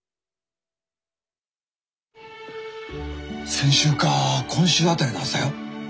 先週か今週辺りのはずだよ。